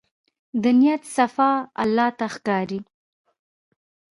د نیت صفا الله ته ښکاري.